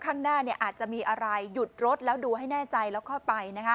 ข้างหน้าอาจจะมีอะไรหยุดรถและดูให้แน่ใจแล้วก็ไป